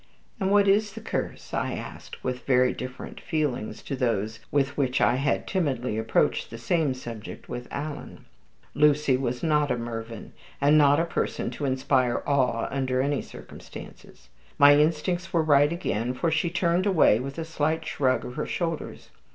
"And what is the curse?" I asked, with very different feelings to those with which I had timidly approached the same subject with Alan. Lucy was not a Mervyn, and not a person to inspire awe under any circumstances. My instincts were right again, for she turned away with a slight shrug of her shoulders.